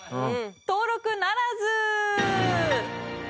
登録ならず。